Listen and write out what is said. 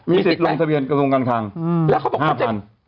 มีสิทธิ์ลงทะเบียนกระทรวงการคลัง๕๐๐๐บาท